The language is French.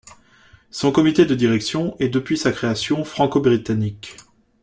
Son comité de direction est depuis sa création franco-britannique.